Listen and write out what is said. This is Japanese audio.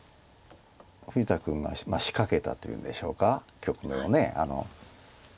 富士田君が仕掛けたというんでしょうか局面を。